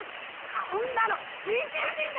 こんなの人権侵害。